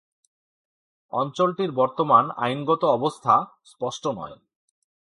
অঞ্চলটির বর্তমান আইনগত অবস্থা স্পষ্ট নয়।